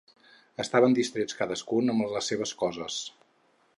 Estaven distrets, cadascun amb les seves coses.